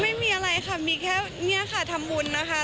ไม่มีอะไรค่ะมีแค่เนี่ยค่ะทำบุญนะคะ